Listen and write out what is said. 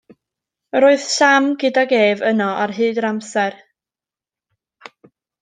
Yr oedd Sam gydag ef yno ar hyd yr amser.